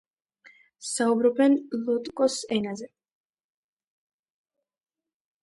საუბრობენ ლოტუკოს ენაზე.